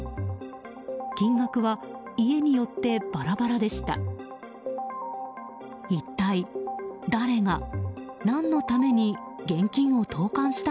金額は家によってバラバラでした。